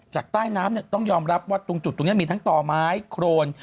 จากใต้น้ำเนี่ยต้องยอมรับว่าตรงจุดตรงนี้มีทั้งต่อไม้โครน